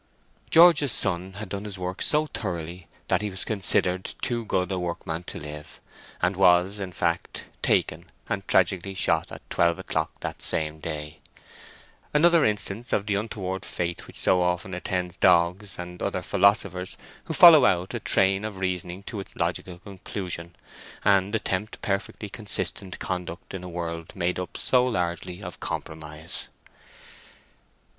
George's son had done his work so thoroughly that he was considered too good a workman to live, and was, in fact, taken and tragically shot at twelve o'clock that same day—another instance of the untoward fate which so often attends dogs and other philosophers who follow out a train of reasoning to its logical conclusion, and attempt perfectly consistent conduct in a world made up so largely of compromise.